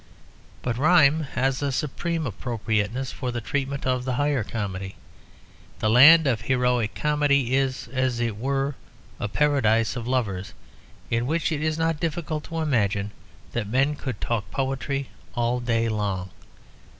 But rhyme has a supreme appropriateness for the treatment of the higher comedy. The land of heroic comedy is, as it were, a paradise of lovers, in which it is not difficult to imagine that men could talk poetry all day long.